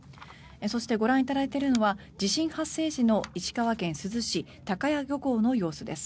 そして、ご覧いただいているのは地震発生時の石川県珠洲市高屋漁港の様子です。